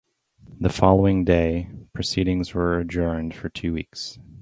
The following day, proceedings were adjourned for two weeks.